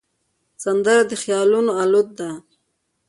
سندره د خیالونو الوت ده